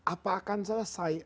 apa akan selesai